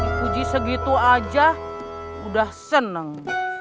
di puji segitu aja udah seneng